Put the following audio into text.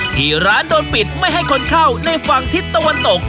ที่ร้านโดนปิดไม่ให้คนเข้าในฝั่งทิศตะวันตก